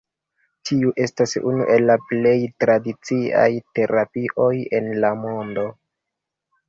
Tiu estas unu el la plej tradiciaj terapioj en la mondo.